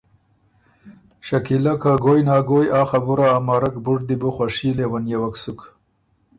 شکیله که ګویٛ نا ګویٛ آ خبُره امرک بُډ دی بو خوشی لیونئېوک سُک